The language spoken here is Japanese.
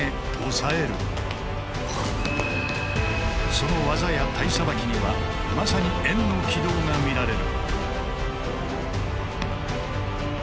その技や体捌きにはまさに円の軌道が見られる。